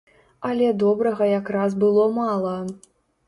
Але добрага якраз было мала.